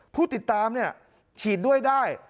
ผู้ติดตามฉีดด้วยได้